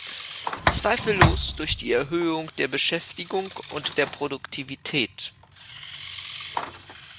Zweifellos durch die Erhöhung der Beschäftigung und der Produktivität.